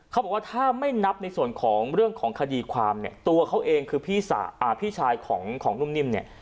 เขาบอกว่าถ้าไม่นับในส่วนของเรื่องของคดีความเนี่ยตัวเขาเองคือพี่ชายของนุ่มนิ่มเนี่ย